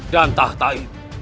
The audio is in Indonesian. dan tahta itu